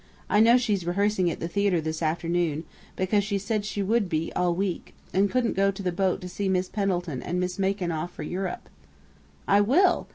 I know she's rehearsing at the theater this afternoon, because she said she would be all week, and couldn't go to the boat to see Miss Pendleton and Miss Macon off for Europe." "I will!"